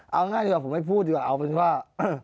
เอาง่ายดีกว่าผมจะไม่พูดดีกว่า